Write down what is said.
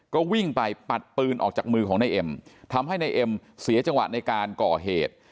ก็วิ่งไปปัดปืนออกจากมือของนายเอ็มทำให้นายเอ็มเสียจังหวะในการก่อเหตุ